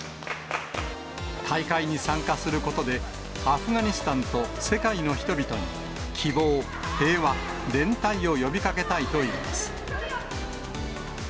大会に参加することで、アフガニスタンと世界の人々に希望、平和、連帯を呼びかけたいといいます。